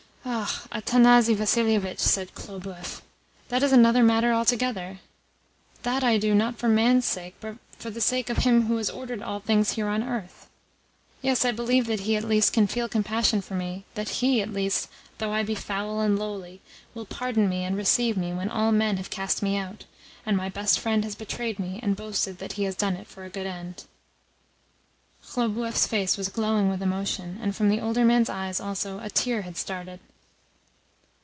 "Ah, Athanasi Vassilievitch," said Khlobuev, "that is another matter altogether. That I do, not for man's sake, but for the sake of Him who has ordered all things here on earth. Yes, I believe that He at least can feel compassion for me, that He at least, though I be foul and lowly, will pardon me and receive me when all men have cast me out, and my best friend has betrayed me and boasted that he has done it for a good end." Khlobuev's face was glowing with emotion, and from the older man's eyes also a tear had started.